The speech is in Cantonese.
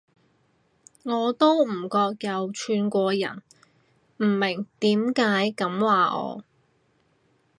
我都唔覺有串過人，唔明點解噉話我